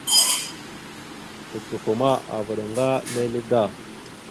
Kucupa ma avaɗ ŋga lele da.